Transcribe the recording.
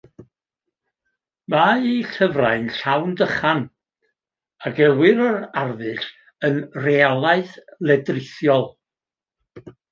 Mae ei llyfrau'n llawn dychan, a gelwir yr arddull yn realaeth ledrithiol.